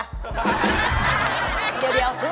เดี๋ยว